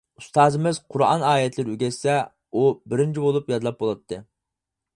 ئۇستازىمىز قۇرئان ئايەتلىرى ئۆگەتسە ئۇ بىرىنچى بولۇپ يادلاپ بولاتتى.